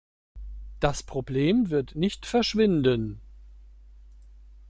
Das Problem wird nicht verschwinden.